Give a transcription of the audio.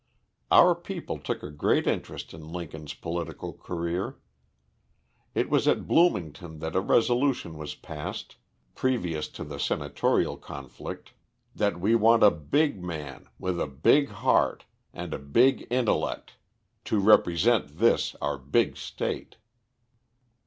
Our people took a great interest in Lincoln's political career. It was at Bloomington that a resolution was passed, previous to the senatorial conflict, that we want a big man, with a big heart and a big intellect to represent this our big state.